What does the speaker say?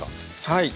はい。